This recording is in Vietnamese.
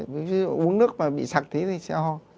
ví dụ như uống nước mà bị sặc thế thì sẽ ho